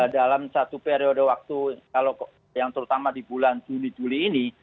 dalam satu periode waktu yang terutama di bulan juli juli ini